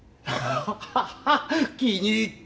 ハハハ気に入った！